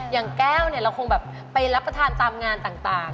อย่างแก้วเนี่ยเราคงแบบไปรับประทานตามงานต่าง